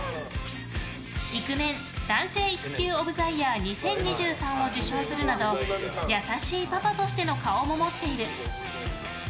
「イクメン／男性育休オブザイヤー２０２３」を受賞するなど優しいパパとしての顔も持っている。